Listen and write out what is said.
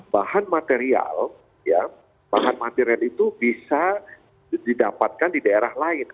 bahan material bahan material itu bisa didapatkan di daerah lain